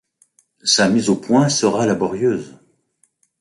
Sa mise au point sera laborieuse.